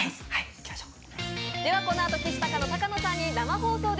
行きましょう。